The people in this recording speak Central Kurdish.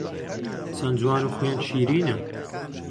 چەن جوان و خوێن شیرینە